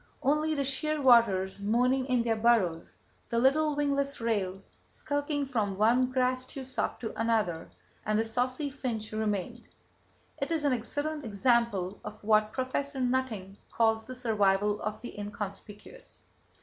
Only the shearwaters moaning in their burrows, the little wingless rail skulking from one grass tussock to another, and the saucy finch remained. It is an excellent example of what Prof. Nutting calls the survival of the inconspicuous.